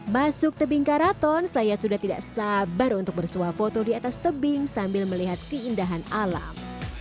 masuk tebing karaton saya sudah tidak sabar untuk bersuah foto di atas tebing sambil melihat keindahan alam